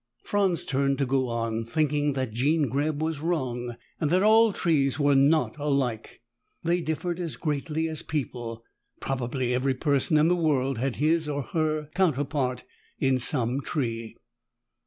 Franz turned to go on, thinking that Jean Greb was wrong and that all trees were not alike. They differed as greatly as people. Probably every person in the world had his or her counterpart in some tree.